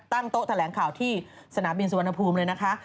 โต๊ะแถลงข่าวที่สนามบินสุวรรณภูมิเลยนะคะ